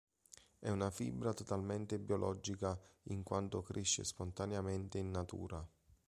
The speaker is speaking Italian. È una fibra totalmente biologica in quanto cresce spontaneamente in natura.